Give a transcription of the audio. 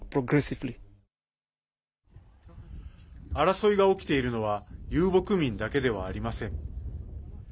争いが起きているのは遊牧民だけではありません。